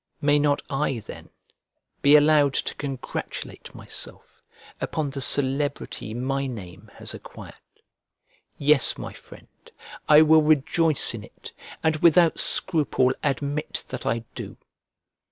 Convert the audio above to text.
may not I, then, be allowed to congratulate myself upon the celebrity my name has acquired? Yes, my friend, I will rejoice in it, and without scruple admit that I do.